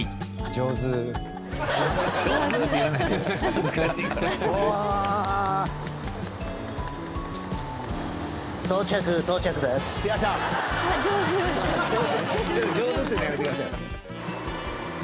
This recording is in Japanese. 上手って言うのやめてください。